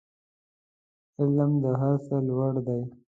علم د هر څه لوړ دی